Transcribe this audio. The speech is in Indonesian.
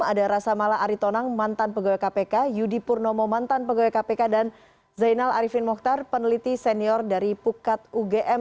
ada rasa mala aritonang mantan pegawai kpk yudi purnomo mantan pegawai kpk dan zainal arifin mokhtar peneliti senior dari pukat ugm